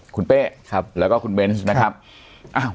คุณเป้ครับแล้วก็คุณเบนส์นะครับ